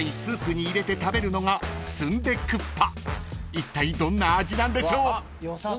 ［いったいどんな味なんでしょう］